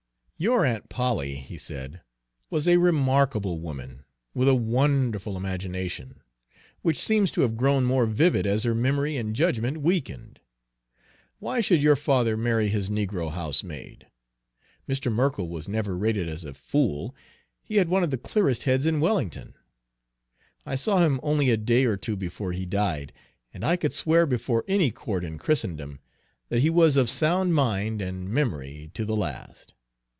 "Your Aunt Polly," he said, "was a remarkable woman, with a wonderful imagination, which seems to have grown more vivid as her memory and judgment weakened. Why should your father marry his negro housemaid? Mr. Merkell was never rated as a fool, he had one of the clearest heads in Wellington. I saw him only a day or two before he died, and I could swear before any court in Christendom that he was of sound mind and memory to the last.